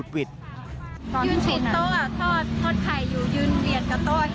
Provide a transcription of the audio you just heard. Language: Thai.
ยืนชิดโต๊ะทอดทอดไข่อยู่ยืนเวียดกับโต๊ะ